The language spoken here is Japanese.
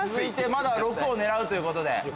まだ６を狙うということで。